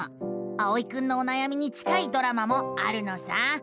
あおいくんのおなやみに近いドラマもあるのさ。